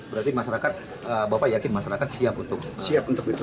berarti masyarakat bapak yakin masyarakat siap untuk itu